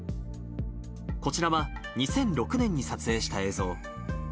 こちらは、２００６年に撮影した映像。